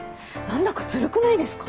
何だかズルくないですか？